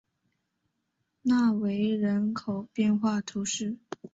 纳韦人口变化图示